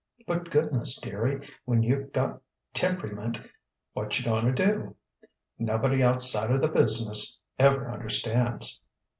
"But, goodness, dearie, when you've got tempryment, whatcha goin' to do? Nobody outsida the business ever understands."